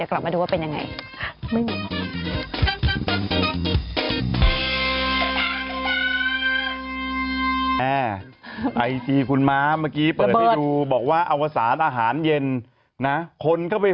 เขาบอกว่าที่ผ่านมาเป็นเจ้าพ่อรีวิวเลยทีดี